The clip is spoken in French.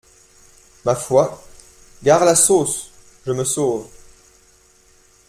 Ma foi !… gare la sauce !… je me sauve !…